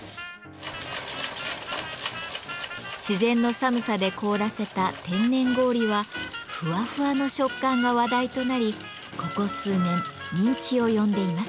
自然の寒さで凍らせた天然氷はふわふわの食感が話題となりここ数年人気を呼んでいます。